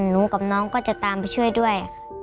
หนูกับน้องก็จะตามไปช่วยด้วย